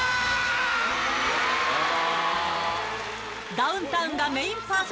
ダウンタウンがメインパーソ